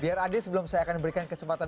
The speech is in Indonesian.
biar ade sebelum saya akan berikan kesempatan